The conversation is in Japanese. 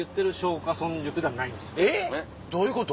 えっどういうこと？